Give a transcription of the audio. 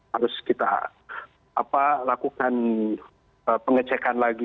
harus kita lakukan pengecekan lagi